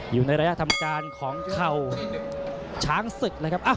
อยู่ในระยะทำการของเข่าช้างศึกเลยครับ